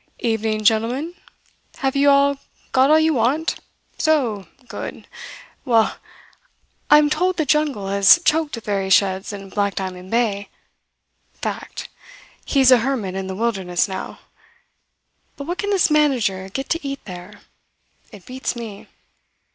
"Evening, gentlemen. Have you got all you want? So! Good! Well, I am told the jungle has choked the very sheds in Black Diamond Bay. Fact. He's a hermit in the wilderness now. But what can this manager get to eat there? It beats me."